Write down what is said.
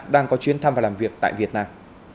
đang có chuyến thăm và làm việc tại việt nam